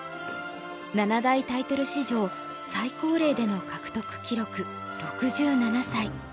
七大タイトル史上最高齢での獲得記録６７歳。